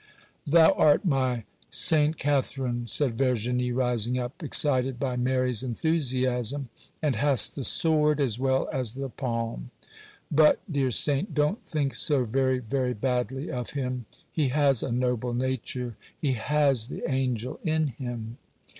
'Thou art my Saint Catherine,' said Verginie, rising up, excited by Mary's enthusiasm, 'and hast the sword as well as the palm; but, dear saint, don't think so very, very badly of him,—he has a noble nature; he has the angel in him.